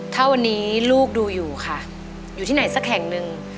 ถ้าวันนี้ลูกดูอยู่ค่ะอยู่ที่ไหนสักแห่งหนึ่ง